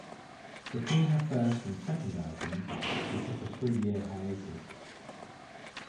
Between her first and second albums, she took a three-year hiatus.